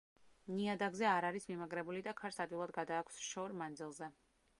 ნიადაგზე არ არის მიმაგრებული და ქარს ადვილად გადააქვს შორ მანძილზე.